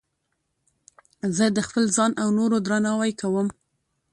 زه د خپل ځان او نورو درناوی کوم.